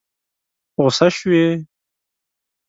غوسه شوې؟